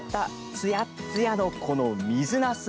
つやっつやの、この水なす。